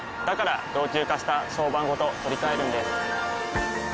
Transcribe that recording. から老朽化した床版ごと取り替えるんです。